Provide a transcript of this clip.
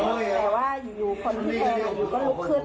แต่ว่าอยู่คนที่แทงอยู่ก็ลุกขึ้น